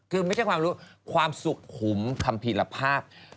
คือไม่ใช่ความรู้ความสุขหุมคัมภีรภาพ